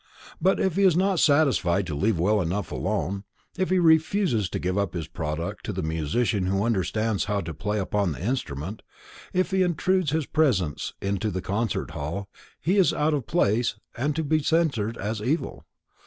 But if he is not satisfied to leave well enough alone, if he refuses to give up his product to the musician who understands how to play upon the instrument; if he intrudes his presence into the concert hall, he is out of place and to be censured as evil.